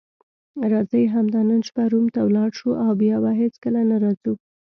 راځئ همدا نن شپه روم ته ولاړ شو او بیا به هیڅکله نه راځو.